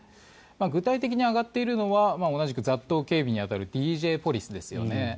具体的に挙がっているのは同じく雑踏警備に当たるＤＪポリスですよね。